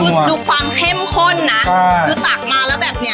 คือดูความเข้มข้นนะคือตักมาแล้วแบบเนี้ย